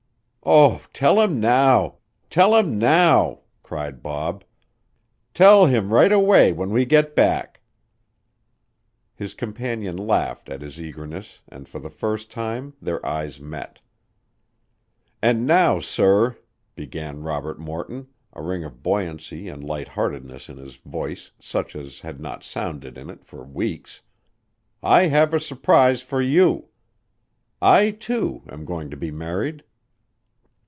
"Oh, tell him now! Tell him now!" cried Bob. "Tell him right away when we get back!" His companion laughed at his eagerness and for the first time their eyes met. "And now, sir," began Robert Morton, a ring of buoyancy and light heartedness in his voice such as had not sounded in it for weeks, "I have a surprise for you. I, too, am going to be married."